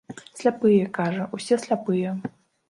Сляпыя, кажа, усе сляпыя.